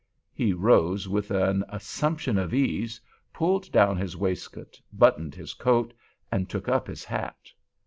He rose with an assumption of ease, pulled down his waistcoat, buttoned his coat, and took up his hat.